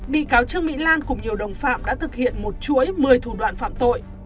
bị cáo trương mỹ lan cùng nhiều đồng phạm đã thực hiện một chuỗi một mươi thủ đoạn phạm tội